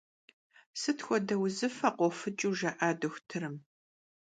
Sıt xuede vuzıfe khofıç'ıu jji'a doxutırım?